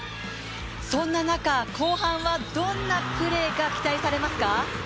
そんな中、後半はどんなプレーが期待されますか？